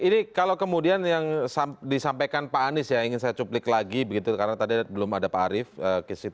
ini kalau kemudian yang disampaikan pak anies ya ingin saya cuplik lagi begitu karena tadi belum ada pak arief